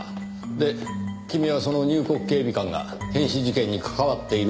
で君はその入国警備官が変死事件に関わっているとでも？